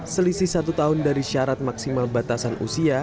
selisih satu tahun dari syarat maksimal batasan usia